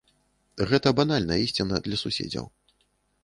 Гэта банальная ісціна для суседзяў.